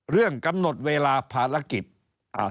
เรื่องกำหนดเวลาภารกิจอ่า